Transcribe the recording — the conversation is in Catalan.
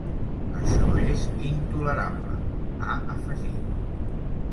Això és intolerable, ha afegit.